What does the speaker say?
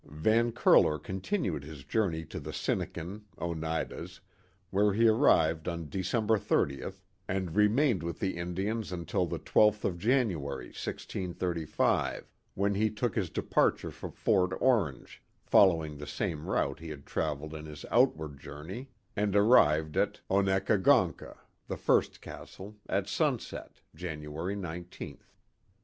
Van Curler continued his journey to the Sinneken (Onei das) where he arrived on December 30th, and remained with 24 The Mohawk Valley the Indians until the 12th of January, 1635, when he took his departure for Fort Orange, following the same route he had travelled in his outward journey, and arrived at Onekagoncka, the first castle, at sunset, January 19th.